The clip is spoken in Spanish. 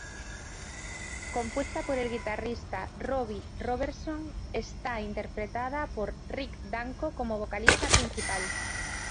Compuesta por el guitarrista Robbie Robertson, está interpretada por Rick Danko como vocalista principal.